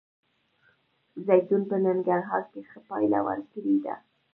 زیتون په ننګرهار کې ښه پایله ورکړې ده